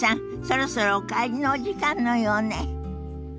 そろそろお帰りのお時間のようね。